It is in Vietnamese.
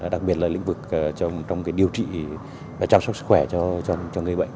đặc biệt là lĩnh vực trong điều trị và chăm sóc sức khỏe cho người bệnh